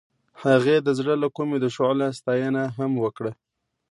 هغې د زړه له کومې د شعله ستاینه هم وکړه.